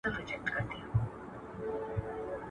ټولنیز بدلونونه له اقتصادي بدلونونو سره تړلي دي.